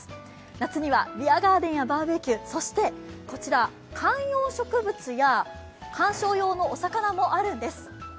夏にはビアガーデンやバーベキュー、そしてこちら、観葉植物や観賞用のお魚もあるんです。